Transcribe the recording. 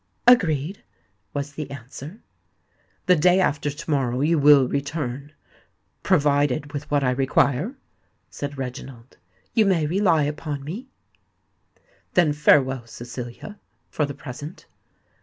"Agreed," was the answer. "The day after to morrow you will return—provided with what I require?" said Reginald. "You may rely upon me." "Then farewell, Cecilia, for the present."